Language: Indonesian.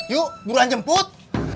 yuk buruan jemput